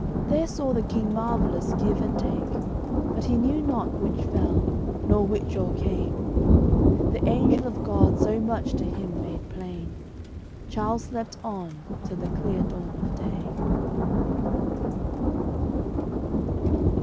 There saw the King marvellous give and take; But he knew not which fell, nor which o'ercame. The angel of God so much to him made plain. Charles slept on till the clear dawn of day.